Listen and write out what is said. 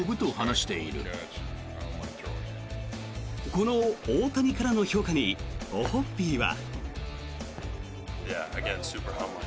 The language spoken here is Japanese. この大谷からの評価にオホッピーは。